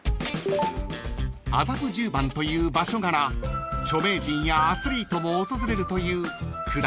［麻布十番という場所柄著名人やアスリートも訪れるという］